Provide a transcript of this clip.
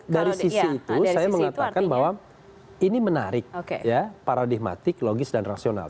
dari sisi itu saya mengatakan bahwa ini menarik ya paradigmatik logis dan rasional